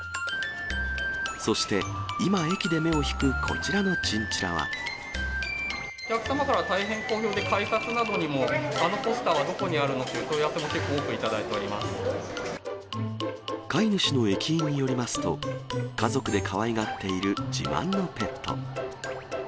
そして今、駅で目を引くこちらのお客様から大変好評で、改札などにも、あのポスターはどこにあるのという問い合わせも、飼い主の駅員によりますと、家族でかわいがっている自慢のペット。